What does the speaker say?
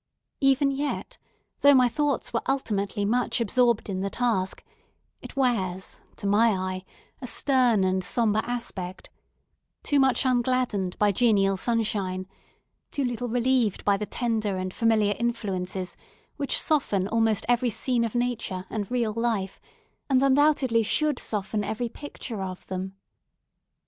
Even yet, though my thoughts were ultimately much absorbed in the task, it wears, to my eye, a stern and sombre aspect: too much ungladdened by genial sunshine; too little relieved by the tender and familiar influences which soften almost every scene of nature and real life, and undoubtedly should soften every picture of them.